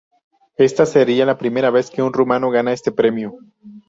Esta sería la primera vez que un rumano gana este premio.